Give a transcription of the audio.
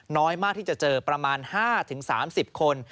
น้อยมากที่จะเจอประมาณ๕๓๐คน